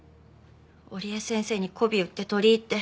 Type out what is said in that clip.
織江先生に媚び売って取り入って。